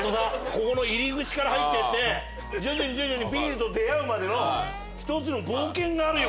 ここの入り口から入ってって徐々に徐々にビールと出会うまでの一つの冒険があるよ